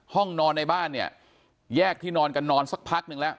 ห้องนอนในบ้านเนี่ยแยกที่นอนกันนอนสักพักหนึ่งแล้ว